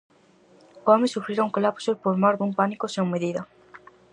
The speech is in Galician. O home sufrira un colapso por mor dun pánico sen medida.